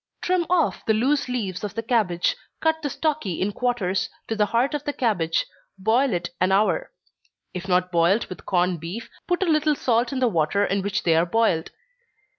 _ Trim off the loose leaves of the cabbage, cut the stalky in quarters, to the heart of the cabbage boil it an hour. If not boiled with corned beef, put a little salt in the water in which they are boiled.